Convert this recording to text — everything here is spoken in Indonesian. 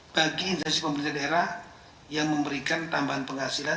bagi instansi pemerintah daerah yang memberikan tambahan penghasilan